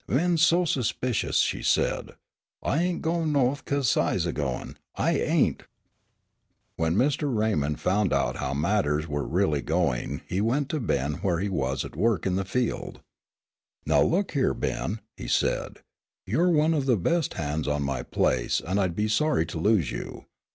"Men's so 'spicious," she said. "I ain' goin' Nawth 'cause Si's a goin' I ain't." When Mr. Raymond found out how matters were really going he went to Ben where he was at work in the field. "Now, look here, Ben," he said. "You're one of the best hands on my place and I'd be sorry to lose you.